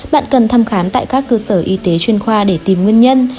bạn cần thăm khám tại các cơ sở y tế chuyên khoa để tìm nguyên nhân